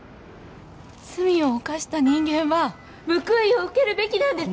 罪を犯した人間は報いを受けるべきなんです